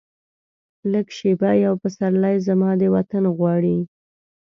لږه شیبه یو پسرلی، زما د وطن غواړي